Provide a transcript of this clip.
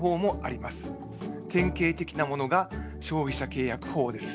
典型的なものが消費者契約法です。